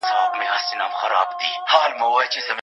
د رښتینولۍ عادت وکړئ.